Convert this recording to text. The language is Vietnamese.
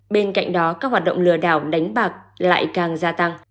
bên cạnh đó các hoạt động lừa đảo đánh bạc lại càng gia tăng